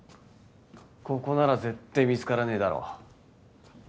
ここなら絶対みつからねえだろ。